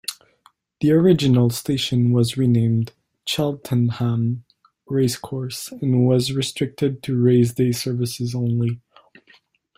The original station was renamed Cheltenham Racecourse, and was restricted to raceday services only.